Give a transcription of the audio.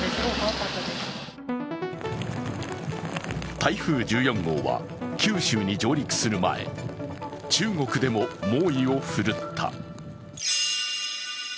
台風１４号は九州に上陸する前中国でも猛威を振るった。